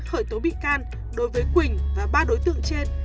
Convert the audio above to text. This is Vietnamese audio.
khởi tố bị can đối với quỳnh và ba đối tượng trên